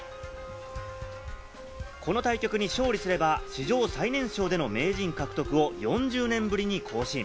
この対局に勝利すれば史上最年少での名人獲得を４０年ぶりに更新。